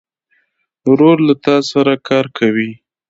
ورور له تا سره کار کوي.